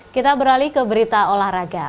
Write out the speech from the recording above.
kita beralih ke berita olahraga